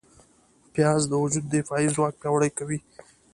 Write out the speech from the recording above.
پیاز د وجود دفاعي ځواک پیاوړی کوي